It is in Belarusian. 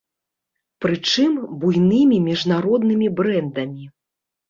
Прычым буйнымі міжнароднымі брэндамі.